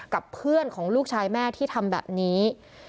กับเพื่อนของลูกชายแม่ที่ทำแบบนี้